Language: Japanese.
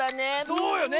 そうよね。